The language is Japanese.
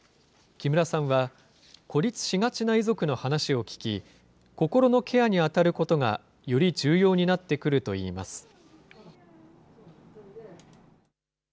木村さんは、孤立しがちな遺族の話を聞き、心のケアに当たることがより重要になってくるといいます。